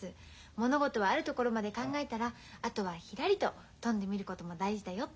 物事はあるところまで考えたらあとはひらりと飛んでみることも大事だよって。